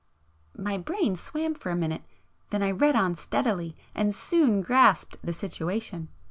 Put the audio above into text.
My brain swam for a minute,—then I read on steadily, and soon grasped the situation.